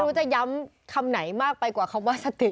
จะย้ำคำไหนมากไปกว่าคำว่าสติ